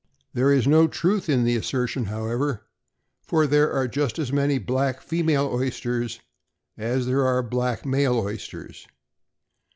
There is no truth in the assertion, however, for there are just as many black female oysters as there are black male oysters.